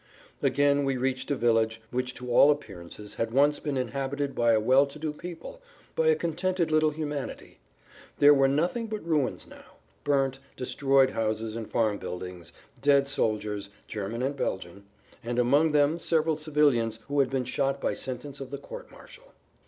Again we reached a village which to all appearances had once been inhabited by a well to do people, by a contented little humanity. There were nothing but ruins now, burnt, destroyed houses and farm buildings, dead soldiers, German and Belgian, and among them several civilians who had been shot by sentence of the court martial.